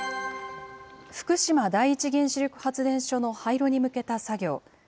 福島第一原子力発電所の廃炉に向けた作業。